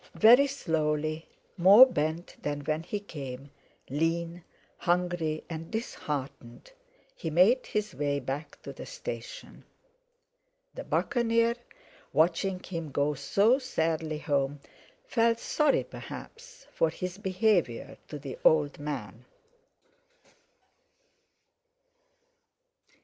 Very slowly, more bent than when he came, lean, hungry, and disheartened, he made his way back to the station. The Buccaneer, watching him go so sadly home, felt sorry perhaps for his behaviour to the old man.